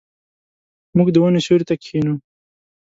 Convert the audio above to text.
موږ د ونو سیوري ته کښینو.